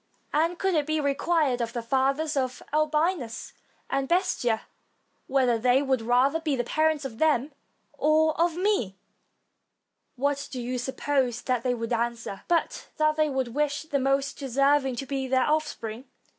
And could it be required of the fathers of Albinus and Bestia, whether they would rather be the parents of them or of me, what do you suppose that they would answer, but that they would wish the most deserving to be their offspring?